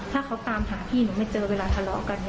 ถ้าเขาตามหาพี่หนูไม่เจอเวลาทะเลาะกัน